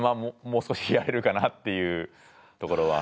もう少しやれるかなっていうところは思いますね。